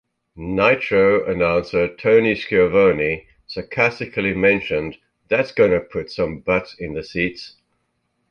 "Nitro" announcer Tony Schiavone sarcastically mentioned "that's gonna put some butts in the seats.